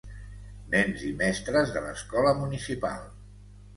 Nens i mestres de l'escola municipal.